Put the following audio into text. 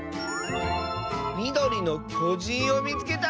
「みどりのきょじんをみつけた！」。